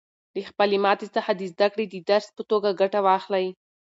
له خپلې ماتې څخه د زده کړې د درس په توګه ګټه واخلئ.